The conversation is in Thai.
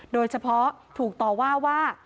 โดยเฉพาะถูกต่อว่าว่า